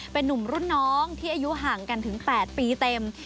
เป็นนุ่มรุ่นน้องที่อายุห่างกันถึง๘ปีเต็ม